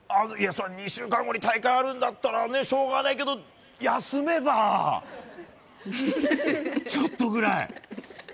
２週間後に大会あるんだったらしょうがないけど休めばちょっとぐらい。